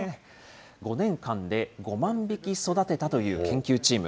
５年間で５万匹育てたという研究チーム。